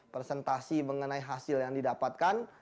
presentasi mengenai hasil yang didapatkan